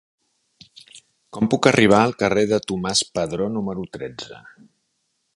Com puc arribar al carrer de Tomàs Padró número tretze?